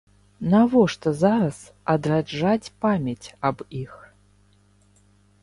Навошта зараз адраджаць памяць аб іх?